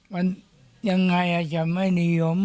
มันยังไงอาจจะไม่นิยม